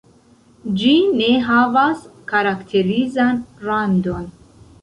Ĝi ne havas karakterizan randon.